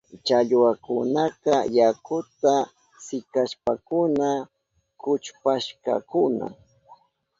Challwakunaka yakuta sikashpankuna kuchpashkakuna.